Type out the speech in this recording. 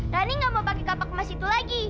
rani nggak mau bagi kapak emas itu lagi